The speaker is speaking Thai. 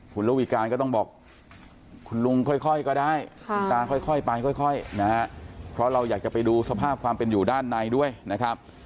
ค่อยไปนะครับเพราะเราอยากจะไปดูสภาพความเป็นอยู่ด้านในด้วยนะครับ